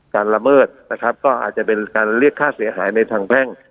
ละเมิดนะครับก็อาจจะเป็นการเรียกค่าเสียหายในทางแพ่ง